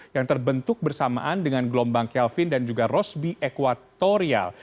yang terbentuk bersamaan dengan gelombang kelvin dan juga rosby equatorial